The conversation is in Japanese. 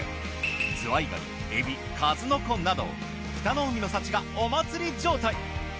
ズワイガニエビ数の子など北の海の幸がお祭り状態。